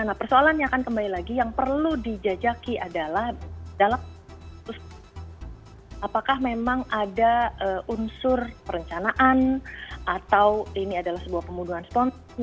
nah persoalannya akan kembali lagi yang perlu dijajaki adalah dalam apakah memang ada unsur perencanaan atau ini adalah sebuah pembunuhan spontan